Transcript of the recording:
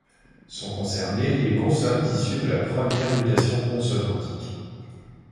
Sont concernées les consonnes issues de la première mutation consonantique.